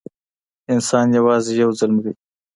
انسان یوازې یو ځل مري.